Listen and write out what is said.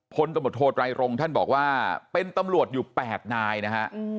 ตมโทรไตรรงค์ท่านบอกว่าเป็นตำรวจอยู่๘นายนะฮะ